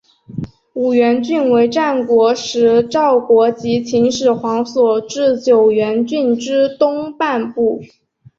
五原郡为战国时赵国及秦始皇所置九原郡之东半部。